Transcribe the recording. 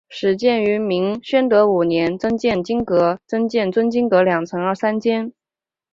始建于明宣德五年增建尊经阁两层三间。